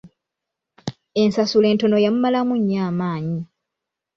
Ensasula entono yamumalamu nnyo amaanyi.